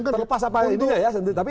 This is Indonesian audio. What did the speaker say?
terlepas apa ini ya sendiri